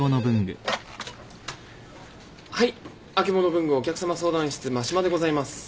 ☎はいあけぼの文具お客様相談室真島でございます。